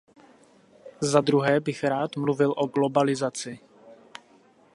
Za druhé bych rád mluvil o globalizaci.